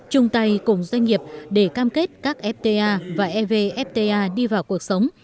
chung tay cùng doanh nghiệp để cam kết các fta và evfta đi vào cuộc sống